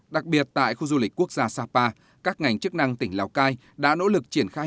đặc biệt tại khu du lịch quốc gia sapa các ngành chức năng tỉnh lào cai đã nỗ lực triển khai